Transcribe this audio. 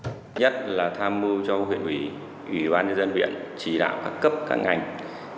thứ nhất là tham mưu cho huyện huy huy ban nhân viện chỉ đạo các cấp các ngành